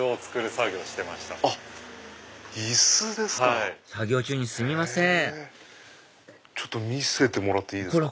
作業中にすみません見せてもらっていいですか。